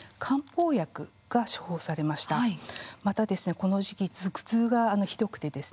この時期頭痛がひどくてですね